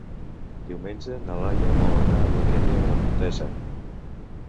Diumenge na Laia vol anar a l'Alqueria de la Comtessa.